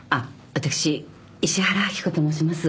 私石原明子と申します。